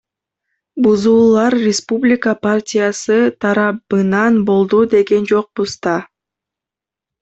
Бузуулар Республика партиясы тарабынан болду деген жокпуз да.